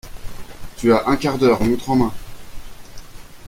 Tu as un quart d'heure, montre en main.